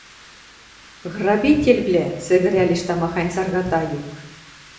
— Грабительвлӓ! — сӹгӹрӓлеш тамахань царгата юк.